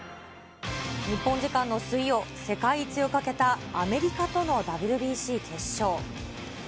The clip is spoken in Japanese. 日本時間の水曜、世界一をかけたアメリカとのＷＢＣ決勝。